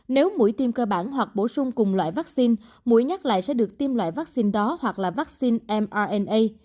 nếu mũi tiêm cơ bản hoặc bổ sung cùng loại vaccine mũi nhắc lại sẽ được tiêm loại vaccine đó hoặc là vaccine mnna